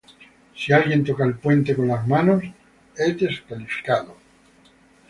Si alguien toca el puente con las manos es descalificado.